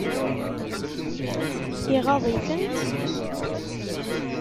Iɣaḍ-itent?